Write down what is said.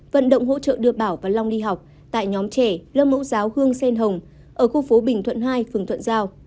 vận động hỗ trợ đưa bảo và long đi học tại nhóm trẻ lớp mẫu giáo hương sen hồng ở khu phố bình thuận hai phường thuận giao